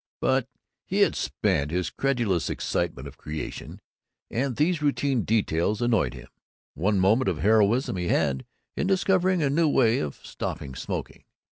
But he had spent his credulous excitement of creation, and these routine details annoyed him. One moment of heroism he had, in discovering a new way of stopping smoking.